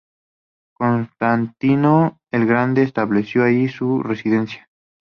Constantino el Grande estableció allí su residencia.